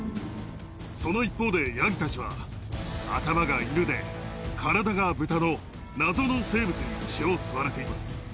その一方で、ヤギたちは頭がイヌで、体がブタの謎の生物に血を吸われています。